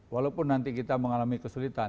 walaupun nanti kita mengalami kesulitan